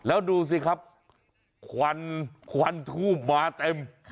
แล้วดูสิครับควันควันทูบมาเต็ม